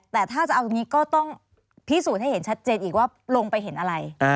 แต่ถ้าจะเอาตรงนี้ก็ต้องพิสูจน์ให้เห็นชัดเจนอีกว่าลงไปเห็นอะไร